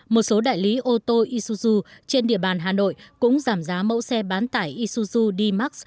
một số đại lý ô tô isuzu trên địa bàn hà nội cũng giảm giá mẫu xe bán tải isuzu d max